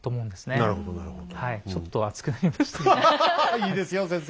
いいですよ先生。